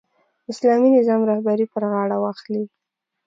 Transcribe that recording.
اسلامي نظام رهبري پر غاړه واخلي.